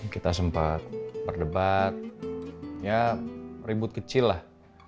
kita sempat berdebat ya ribut kecil lah